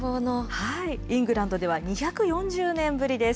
イングランドでは２４０年ぶりです。